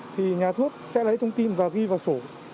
thì nhà thuốc sẽ lấy thông tin và ghi vào sổ